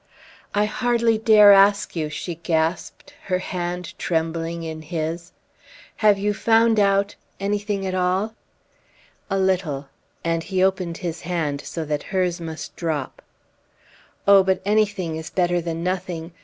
"I hardly dare ask you!" she gasped, her hand trembling in his. "Have you found out anything at all?" "A little." And he opened his hand so that hers must drop. "Oh, but anything is better than nothing!